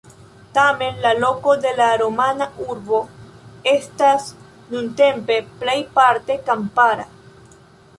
Tamen, la loko de la romana urbo estas nuntempe plejparte kampara.